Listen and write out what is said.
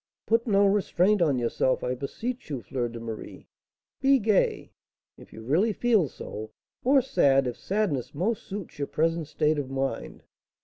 "Put no restraint on yourself, I beseech you, Fleur de Marie: be gay, if you really feel so; or sad, if sadness most suits your present state of mind.